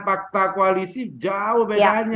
fakta koalisi jauh bedanya